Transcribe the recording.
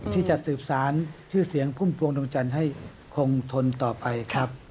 ที่จะสืบสารชื่อเสียงพุ่มพวงดวงจันทร์ให้คงทนต่อไปครับ